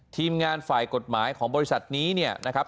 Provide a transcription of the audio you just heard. ทีมงานฝ่ายกฎหมายของบริษัทนี้เนี่ยนะครับ